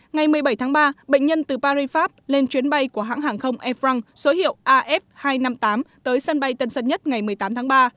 ngày một mươi bảy tháng ba bệnh nhân từ paris pháp lên chuyến bay của hãng hàng không air france số hiệu af hai trăm năm mươi tám tới sân bay tân sân nhất ngày một mươi tám tháng ba